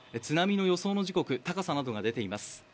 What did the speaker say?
津波の予想の時刻、高さなどが出ています。